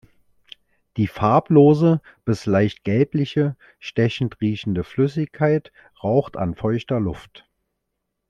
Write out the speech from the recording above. Die farblose bis leicht gelbliche, stechend riechende Flüssigkeit raucht an feuchter Luft.